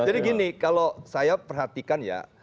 jadi gini kalau saya perhatikan ya